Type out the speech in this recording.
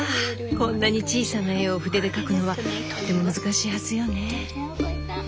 こんなに小さな絵を筆で描くのはとても難しいはずよね。